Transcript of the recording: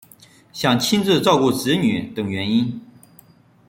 想亲自照顾子女等原因